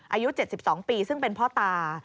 อายุ๗๒ปีซึ่งเป็นพ่อตา